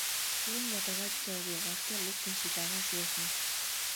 Лум ятырак келге, вашке луктын ситараш йӧсӧ...